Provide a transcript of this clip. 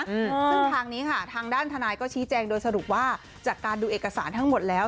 อืมซึ่งทางนี้ค่ะทางด้านทนายก็ชี้แจงโดยสรุปว่าจากการดูเอกสารทั้งหมดแล้ว